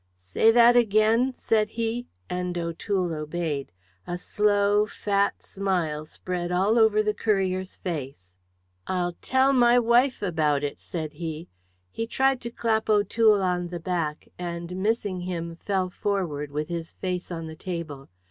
"Say that again," said he, and O'Toole obeyed. A slow, fat smile spread all over the courier's face. "I'll tell my wife about it," said he. He tried to clap O'Toole on the back, and missing him fell forward with his face on the table.